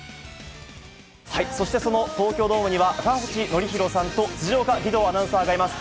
そしてその東京ドームには、赤星憲広さんと、辻岡義堂アナウンサーがいます。